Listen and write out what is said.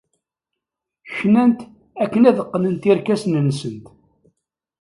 Knant akken ad qqnent irkasen-nsent.